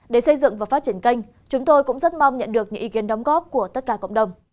để xây dựng và phát triển kênh chúng tôi cũng rất mong nhận được những ý kiến đóng góp của tất cả cộng đồng